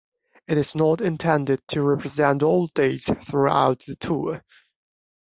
It is not intended to represent all dates throughout the tour.